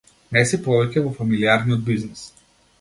Не си повеќе во фамилијарниот бизнис.